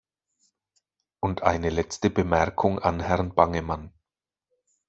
Und eine letzte Bemerkung an Herrn Bangemann.